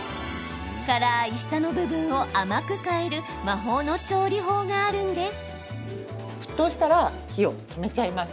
辛い下の部分を甘く変える魔法の調理法があるんです。